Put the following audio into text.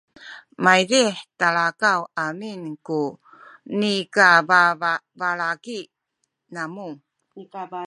maydih talakaw amin ku nikabalaki namu